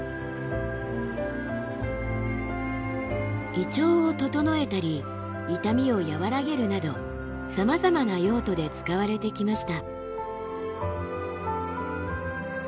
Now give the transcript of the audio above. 胃腸を整えたり痛みを和らげるなどさまざまな用途で使われてきました。